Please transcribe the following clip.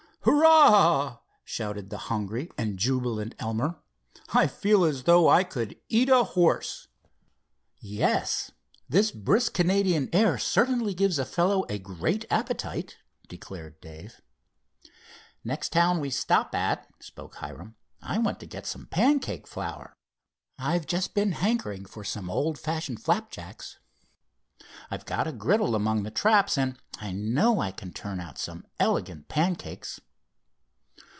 "Hurrah!" shouted the hungry and jubilant Elmer. "I feel as if I could eat a horse." "Yes, this brisk Canadian air certainly gives a fellow a great appetite," declared Dave. "Next town we stop at," spoke Hiram, "I want to get some pancake flour. I've been just hankering for some old fashioned flapjacks. I've got a griddle among the traps, and I know I can turn out some elegant pancakes."